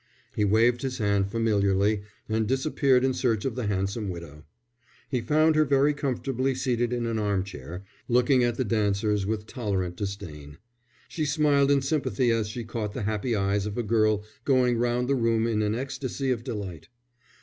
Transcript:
He waved his hand familiarly and disappeared in search of the handsome widow. He found her very comfortably seated in an armchair, looking at the dancers with tolerant disdain. She smiled in sympathy as she caught the happy eyes of a girl going round the room in an ecstasy of delight.